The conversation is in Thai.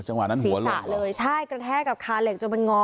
อ๋อจังหวะนั้นหัวหลอกศีรษะเลยใช่กระแทกกับคานเหล็กจนไปงอ